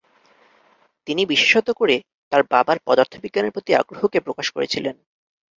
তিনি বিশেষত করে তাঁর বাবার পদার্থবিজ্ঞানের প্রতি আগ্রহকে প্রকাশ করেছিলেন।